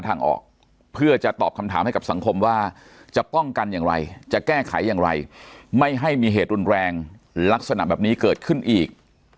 แต่เราก็ต้องหาทางออก